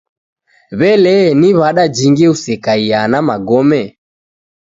W'ele ni w'ada jingi usekaiaa na magome?